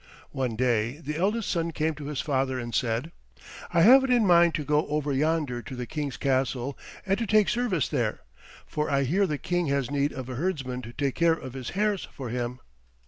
One day the eldest son came to his father and said, "I have it in mind to go over yonder to the King's castle and take service there, for I hear the King has need of a herdsman to take care of his hares for him.